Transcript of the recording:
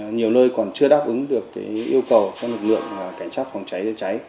nhiều nơi còn chưa đáp ứng được yêu cầu cho lực lượng cảnh sát phòng cháy chữa cháy